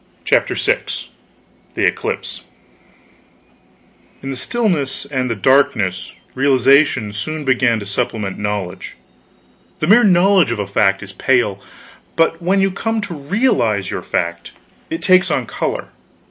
CHAPTER VI THE ECLIPSE In the stillness and the darkness, realization soon began to supplement knowledge. The mere knowledge of a fact is pale; but when you come to realize your fact, it takes on color.